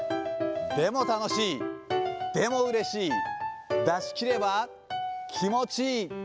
でも楽しい、でもうれしい、出し切れば気持ちいい。